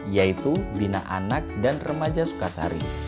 yaitu bina anak dan remaja sukasari